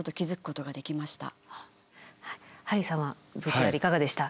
ハリーさんはＶＴＲいかがでした？